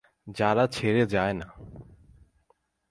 যারা ছেড়ে যায় না।